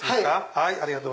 はい。